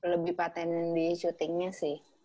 lebih patenin di syutingnya sih